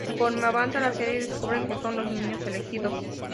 Conforme avanza la serie, descubren que son los "Niños elegidos".